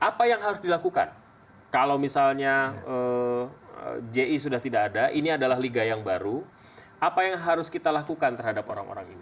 apa yang harus dilakukan kalau misalnya ji sudah tidak ada ini adalah liga yang baru apa yang harus kita lakukan terhadap orang orang ini